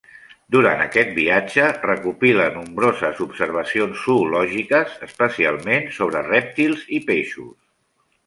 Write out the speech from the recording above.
Durant aquest viatge, recopila nombroses observacions zoològiques, especialment sobre rèptils i peixos.